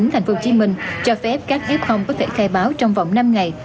tp hcm cho phép các f có thể khai báo trong vòng năm ngày